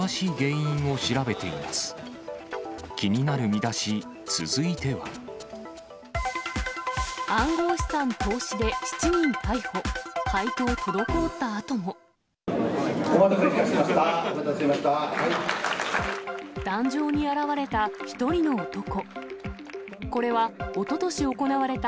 お待たせいたしました。